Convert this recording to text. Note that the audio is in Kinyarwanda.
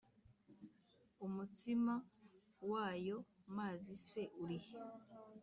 Umutsima w'ayo mazi se uri he?"